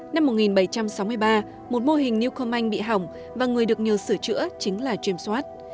năm một nghìn bảy trăm sáu mươi ba một mô hình newcomen bị hỏng và người được nhờ sửa chữa chính là james watt